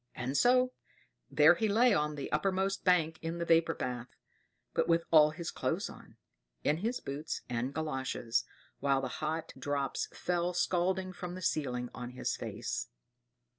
And so there he lay on the uppermost bank in the vapor bath; but with all his clothes on, in his boots and galoshes, while the hot drops fell scalding from the ceiling on his face.